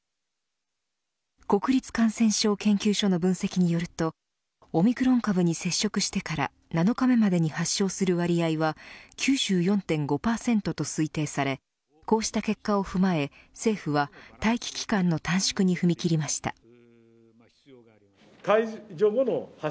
国立感染症研究所の分析によるとオミクロン株に接触してから７日目までに発症する割合は９４．５％と推定されこうした結果を踏まえ政府は、待機期間の短縮に踏み切りました。